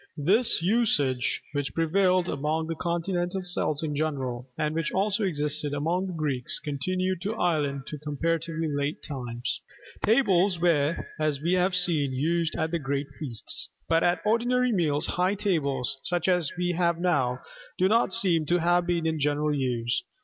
This usage, which prevailed among the continental Celts in general, and which also existed among the Greeks, continued in Ireland to comparatively late times. Tables were, as we have seen, used at the great feasts. But at ordinary meals, high tables, such as we have now, do not seem to have been in general use.